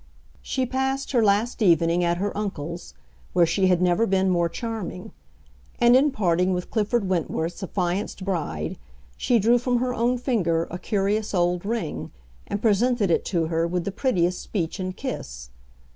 She passed her last evening at her uncle's, where she had never been more charming; and in parting with Clifford Wentworth's affianced bride she drew from her own finger a curious old ring and presented it to her with the prettiest speech and kiss.